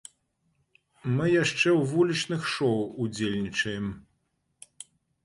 Мы яшчэ ў вулічных шоў удзельнічаем.